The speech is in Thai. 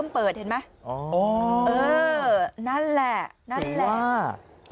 พี่ทำยังไงฮะ